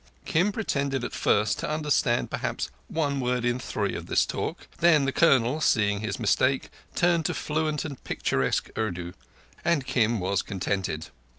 Kim pretended at first to understand perhaps one word in three of this talk. Then the Colonel, seeing his mistake, turned to fluent and picturesque Urdu and Kim was contented.